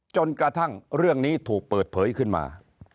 จนกระทั่งเรื่องนี้ถูกเปิดเผยขึ้นมา